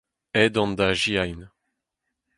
Aet on da azezañ.